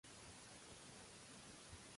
Quin nou resident arriba?